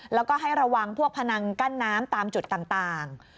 แล้วก็ให้ระวังพวกพนังกั้นน้ำตามจุดต่าง